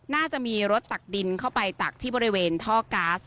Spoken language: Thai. น่าจะมีรถตักดินเข้าไปตักที่บริเวณท่อก๊าซ